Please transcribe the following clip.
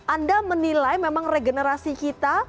anda menilai memang regenerasi kita